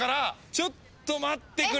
ちょっと待ってくれ。